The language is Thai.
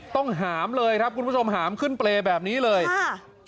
หามเลยครับคุณผู้ชมหามขึ้นเปรย์แบบนี้เลยค่ะ